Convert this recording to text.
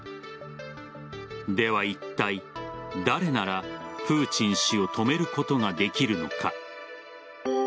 ではいったい、誰ならプーチン氏を止めることができるのか。